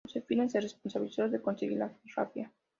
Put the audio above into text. Josefina se responsabilizó de conseguir la rafia.